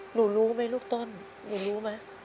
หนูรู้ไหมลูกต้นหนูรู้ไหม